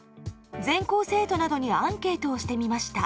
全校生徒などにアンケートをしてみました。